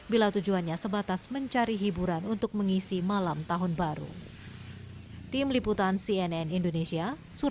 bila tujuannya sebatas mencari hiburan untuk mengisi malam tahun baru tim liputan cnn indonesia